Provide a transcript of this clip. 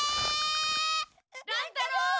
乱太郎！